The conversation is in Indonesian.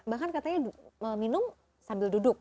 bahkan katanya meminum sambil duduk